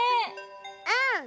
うん。